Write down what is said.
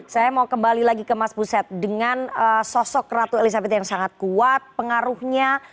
saya mau kembali lagi ke mas buset dengan sosok ratu elizabeth yang sangat kuat pengaruhnya